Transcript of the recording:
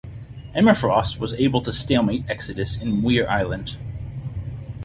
Emma Frost was able to stalemate Exodus in Muir Island.